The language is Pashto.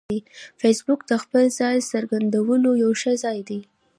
فېسبوک د خپل ځان څرګندولو یو ښه ځای دی